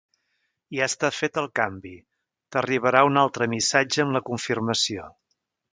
Ja està fet el canvi, t'arribarà un altre missatge amb la confirmació.